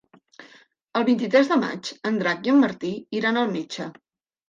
El vint-i-tres de maig en Drac i en Martí iran al metge.